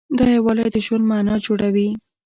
دا یووالی د ژوند معنی جوړوي.